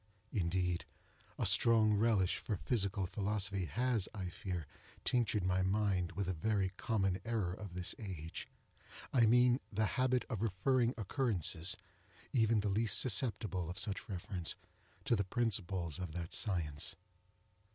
Indeed, a strong relish for physical philosophy has, I fear, tinctured my mind with a very common error of this age—I mean the habit of referring occurrences, even the least susceptible of such reference, to the principles of that science.